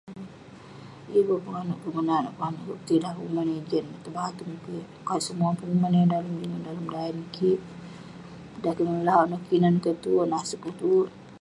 Yeng penganouk kik menat, petidah penguman yah jian tong batung kik. Kat semuah penguman yah dalem jumen, dalem daen kik, dan kik melauk ineh, kinan kik tue. Naseg kik tue.